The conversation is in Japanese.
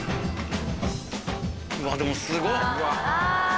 うわでもすごっ！